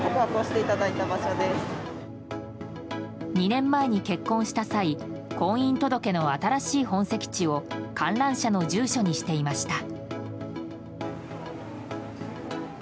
２年前に結婚した際婚姻届の新しい本籍地を観覧車の住所にしていました。